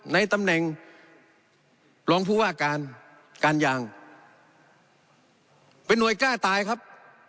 ในตำแหน่งรองผู้ว่าการการยางเป็นหน่วยกล้าตายครับ